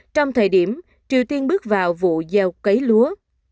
trong thời điểm triều tiên bước vào vụ gieo cấy lúa